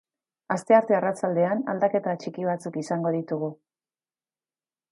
Astearte arratsaldean aldaketa txiki batzuk izango ditugu.